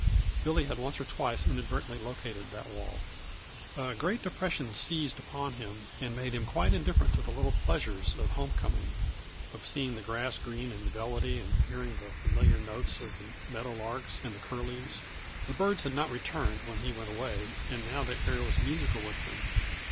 Billy had once or twice inadvertently located that wall. A great depression seized upon him and made him quite indifferent to the little pleasures of homecoming; of seeing the grass green and velvety and hearing the familiar notes of the meadow larks and the curlews. The birds had not returned when he went away, and now the air was musical with them.